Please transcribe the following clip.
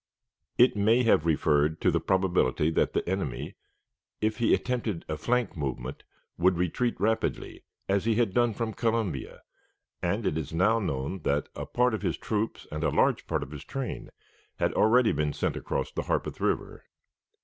It may have referred to the probability that the enemy, if he attempted a flank movement, would retreat rapidly, as he had done from Columbia, and it is now known that a part of his troops and a large part of his train had already been sent across the Harpeth River.